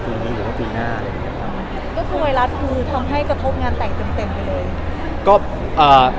คือทำให้กระทบงานแต่งเต็มไปเลย